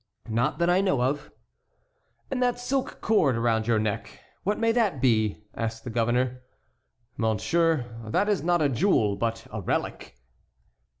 "Not that I know of." "And that silk cord around your neck, what may that be?" asked the governor. "Monsieur, that is not a jewel, but a relic."